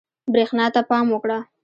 برېښنا ته پام وکړه.